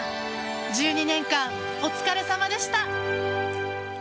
１２年間お疲れさまでした。